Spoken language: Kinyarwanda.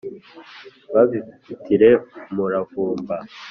Babivugutire umuravumba